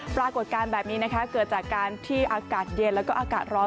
ปรากฏการณ์แบบนี้นะคะเกิดจากการที่อากาศเย็นแล้วก็อากาศร้อน